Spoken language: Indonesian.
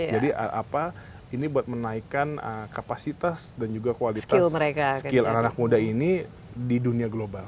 jadi ini buat menaikkan kapasitas dan juga kualitas skill anak anak muda ini di dunia global